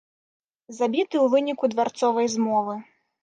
Забіты ў выніку дварцовай змовы.